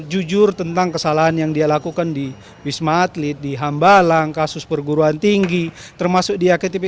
jujur tentang kesalahan yang dia lakukan di wisma atlet di hambalang kasus perguruan tinggi termasuk di aktp